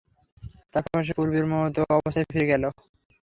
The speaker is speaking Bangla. তার পর সে পূর্বের মত অবস্থায় ফিরে গেল।